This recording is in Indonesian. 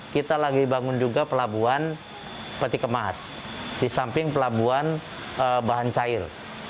kita lagi bangun juga pelabuhan peti kemas di samping pelabuhan bahan cair